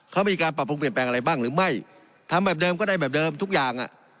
เขามีการปรับปรุงเปลี่ยนแปลงอะไรบ้างหรือไม่ทำแบบเดิมก็ได้แบบเดิมทุกอย่างอ่ะ